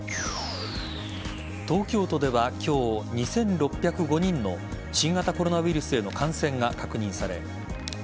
東京都では今日２６０５人の新型コロナウイルスへの感染が確認されています。